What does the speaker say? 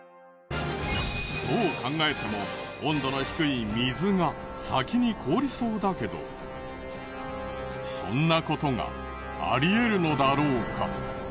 どう考えても温度の低い水が先に凍りそうだけどそんな事があり得るのだろうか？